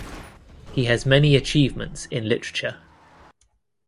He has many achievements in literature.